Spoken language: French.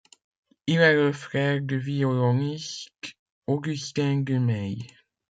Il est le frère du violoniste Augustin Dumay.